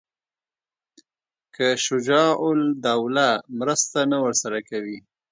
که شجاع الدوله مرسته نه ورسره کوي.